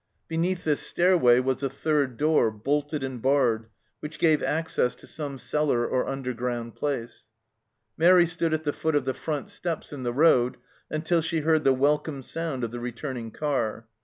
Beneath this stair way was a third door, bolted and barred, which gave access to some cellar or underground place. Mairi stood at the foot of the front steps in the road until she heard the welcome sound of the returning car.